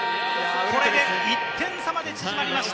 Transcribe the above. これで１点差まで縮まりました。